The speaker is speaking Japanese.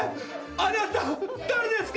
あなた誰ですか？